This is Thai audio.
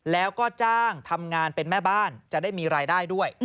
แล้วก็จ้างทำงานเป็นแม่บ้านจะได้มีรายได้ด้วย